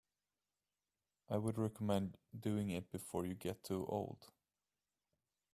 I would recommend doing it before you get too old.